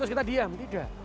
terus kita diam tidak